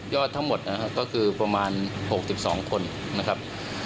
ยอดทั้งหมดนะครับก็คือประมาณหกสิบสองคนนะครับ